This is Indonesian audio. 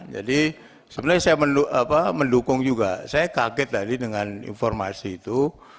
jadi sebenarnya saya mendukung juga saya kaget tadi dengan informasi itu